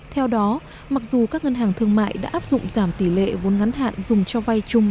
theo đó mặc dù các ngân hàng thương mại đã áp dụng giảm tỷ lệ vốn ngắn hạn dùng cho vay chung